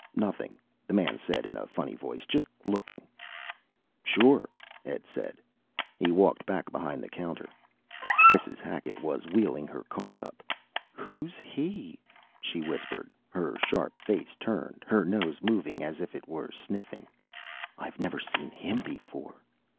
"Nothing," the man said in a funny voice. "Just looking." "Sure," Ed said. He walked back behind the counter. Mrs. Hacket was wheeling her cart up. "Who's he?" she whispered, her sharp face turned, her nose moving, as if it were sniffing. "I never seen him before."